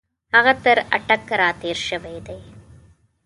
هغه تر اټک را تېر شوی دی.